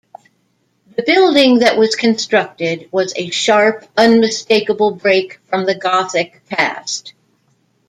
The building that was constructed was a sharp, unmistakable break from the Gothic past.